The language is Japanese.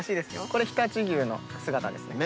これ常陸牛の姿ですね。